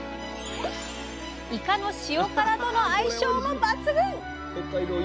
イカの塩辛との相性も抜群！